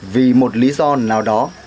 vì một lý do nào đó